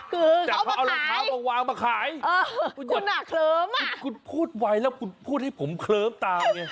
คือแต่เขาเอารองเท้ามาวางมาขายคุณชนะเคลิ้มอ่ะคุณพูดไวแล้วคุณพูดให้ผมเคลิ้มตามไง